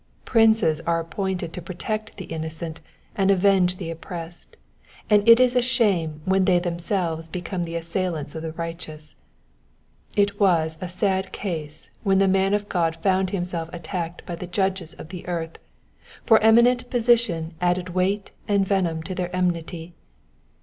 Princes are appointed to protect the innocent and avenge the op pressed, and it is a shame when they themselves become the assailants of the righteous. It was a sad case when the man of God found himself attacked by the judges of the earth, for eminent position added weight and venom to their enmity.